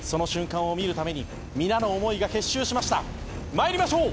まいりましょう。